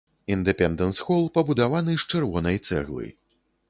Індэпендэнс-хол пабудаваны з чырвонай цэглы.